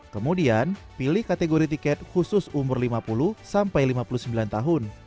kemudian pilih kategori tiket khusus umur lima puluh sampai lima puluh sembilan tahun